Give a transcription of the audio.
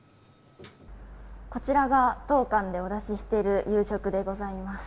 こちらが当館でお出ししている夕食でございます。